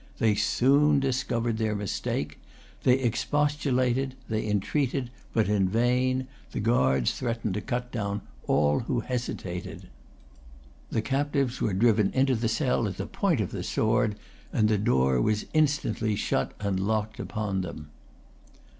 They soon discovered their mistake. They expostulated; they entreated; but in vain. The guards threatened to cut down all who hesitated. The captives were driven into the cell at the point of the sword, and the door was instantly shut and locked upon them.